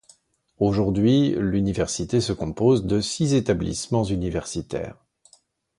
Aujourd'hui, l'Université se compose de six établissements universitaires.